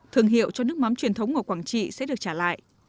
thương hiệu cho nước mắm truyền thống ở quảng trị sẽ được trả lại